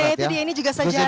nah itu dia ini juga sejarah ya